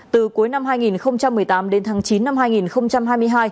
từ cuối năm hai nghìn một mươi tám đến tháng chín năm hai nghìn hai mươi hai